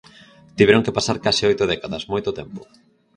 Tiveron que pasar case oito décadas, moito tempo.